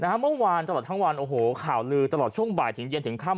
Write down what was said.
เมื่อวานตลอดทั้งวันโอ้โหข่าวลือตลอดช่วงบ่ายถึงเย็นถึงค่ำ